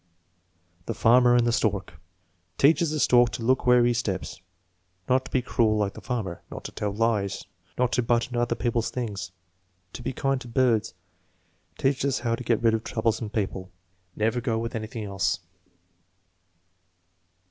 The Farmer and tJie Stork. "Teaches the stork to look where he steps." "Not to be cruel like the farmer." "Not to tell lies." "Not to butt into other people's things." "To be kind to birds." "Teaches us how to get rid of troublesome people." "Never go with anything else."